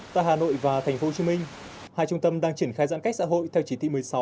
tại hà nội và tp hcm hai trung tâm đang triển khai giãn cách xã hội